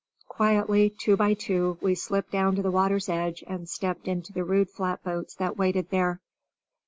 Quietly, two by two, we slipped down to the water's edge and stepped into the rude flatboats that waited there.